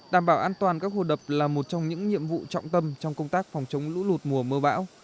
đảm bảo an toàn các hồ đập là một trong những nhiệm vụ trọng tâm trong công tác phòng chống lũ lụt mùa mưa bão